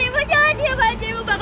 ibu jangan diam aja ibu bangun